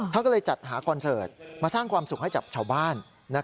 ท่านก็เลยจัดหาคอนเสิร์ตมาสร้างความสุขให้กับชาวบ้าน